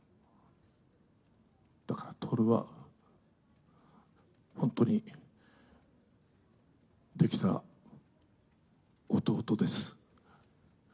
だから徹は本当に、できた弟です。